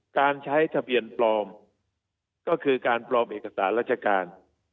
การใช้ทะเบียนปลอมก็คือการปลอมเอกสารราชการ